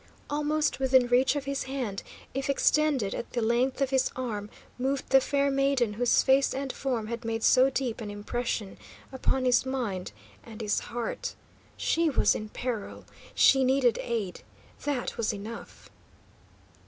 Almost within reach of his hand, if extended at the length of his arm, moved the fair maiden whose face and form had made so deep an impression upon his mind and his heart. She was in peril. She needed aid. That was enough!